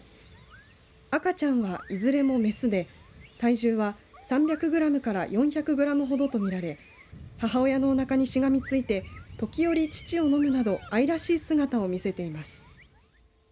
赤ちゃんは、いずれもメスで体重は３００グラムから４００グラムほどとみられ母親のおなかにしがみついて時折乳を飲むなど愛らしい姿を見せています。